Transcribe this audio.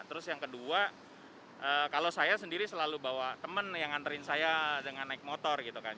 terus yang kedua kalau saya sendiri selalu bawa temen yang nganterin saya dengan naik motor gitu kan